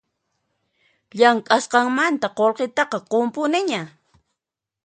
Llamk'asqanmanta qullqitaqa qunpuniña